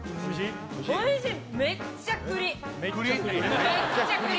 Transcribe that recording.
おいしい？